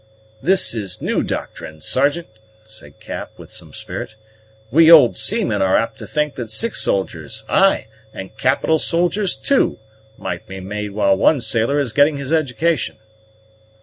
"This is new doctrine, Sergeant," said Cap with some spirit. "We old seamen are apt to think that six soldiers, ay, and capital soldiers too, might be made while one sailor is getting his education."